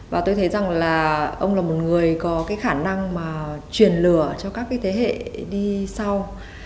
và tôi thấy rằng là ông là một người có cái khả năng mà truyền lửa cho các cái thế hệ đi sau